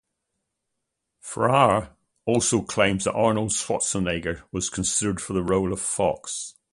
Ferrara also claims that Arnold Schwarzenegger was considered for the role of Fox.